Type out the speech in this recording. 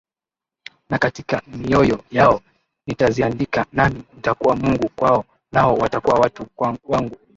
Na katika mioyo yao nitaziandika Nami nitakuwa Mungu kwao Nao watakuwa watu wangu